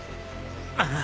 ああ。